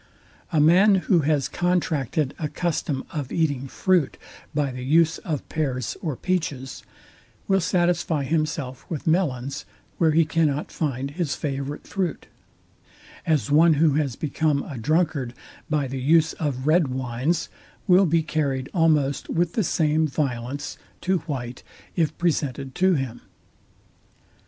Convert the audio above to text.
A man, who has contracted a custom of eating fruit by the use of pears or peaches, will satisfy himself with melons, where he cannot find his favourite fruit; as one, who has become a drunkard by the use of red wines, will be carried almost with the same violence to white, if presented to him.